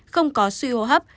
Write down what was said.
không có suy hô hấp